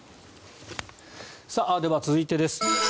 では続いてです。